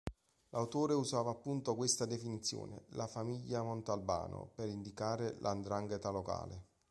L'autore usava appunto questa definizione, "la famiglia Montalbano", per indicare la 'ndrangheta locale.